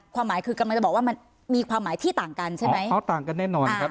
ความหมายคือกำลังจะบอกว่ามันมีความหมายที่ต่างกันใช่ไหมอ๋อต่างกันแน่นอนครับ